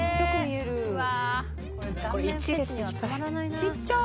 ちっちゃい。